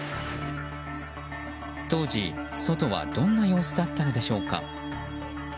当時、外はどんな様子だったのでしょうか。